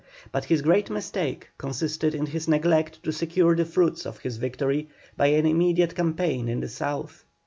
But his great mistake consisted in his neglect to secure the fruits of his victory by an immediate campaign in the South.